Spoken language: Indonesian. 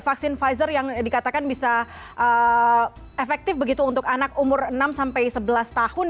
vaksin pfizer yang dikatakan bisa efektif begitu untuk anak umur enam sampai sebelas tahun